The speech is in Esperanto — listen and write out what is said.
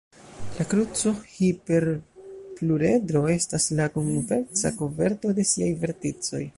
La kruco-hiperpluredro estas la konveksa koverto de siaj verticoj.